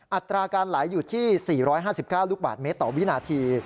อัตราการไหลอยู่ที่๔๕๙ลูกบาทเมตรต่อวินาที